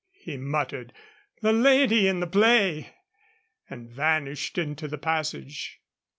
he muttered "the lady in the play!" and vanished into the passage.